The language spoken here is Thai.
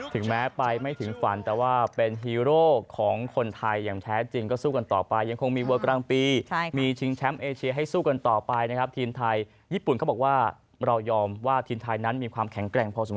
ถึงแม้ไปไม่ถึงฝันแต่ว่าเป็นฮีโร่ของคนไทยอย่างแท้จริง